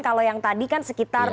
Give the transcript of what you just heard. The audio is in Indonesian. kalau yang tadi kan sekitar